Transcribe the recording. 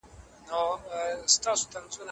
کله چي صحابه وو رضي الله عنهم رسول الله وليد.